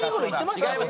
違います。